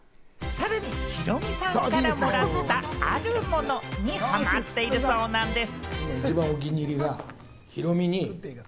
さらにヒロミさんからもらったあるものにハマっているそうなんです。